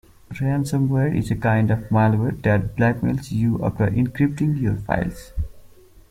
Ransomware is the kind of malware that blackmails you after encrypting your files.